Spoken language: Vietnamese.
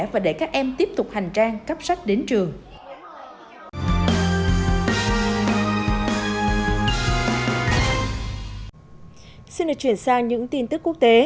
và để các em tiếp tục hành trang cấp sức